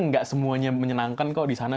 nggak semuanya menyenangkan kok di sana